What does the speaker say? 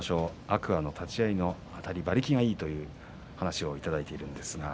天空海の立ち合いのあたり馬力がいいという話をいただいています。